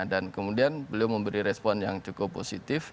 dan kemudian beliau memberi respon yang cukup positif